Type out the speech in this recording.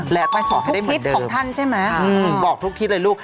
และต้องขอให้วันเดิมอืมบอกทุกคลิปเลยลูก